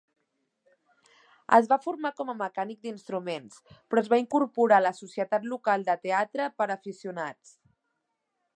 Es va formar com a mecànic d'instruments però es va incorporar a la societat local de teatre per a aficionats .